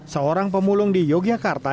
seorang pemulung di yogyakarta